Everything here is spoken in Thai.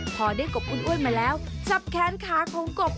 พอได้กบคุณอ้วนมาแล้วสับแค้นขาของกบ